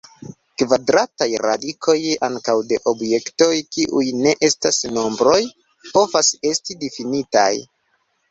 Kvadrataj radikoj ankaŭ de objektoj kiuj ne estas nombroj povas esti difinitaj.